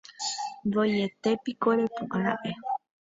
¡Voietépiko repu'ãra'e!